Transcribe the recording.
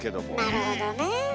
なるほどね。